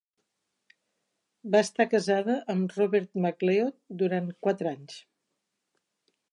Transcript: Va estar casada amb Robert MacLeod durant quatre anys.